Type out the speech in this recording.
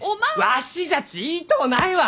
わしじゃち言いとうないわ！